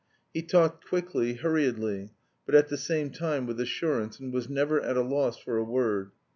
He talked quickly, hurriedly, but at the same time with assurance, and was never at a loss for a word.